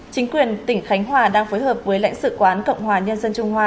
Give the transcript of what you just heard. chính quyền tỉnh khánh hòa đang phối hợp với lãnh sự quán cộng hòa nhân dân trung hoa